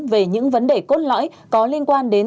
về những vấn đề cốt lõi có liên quan đến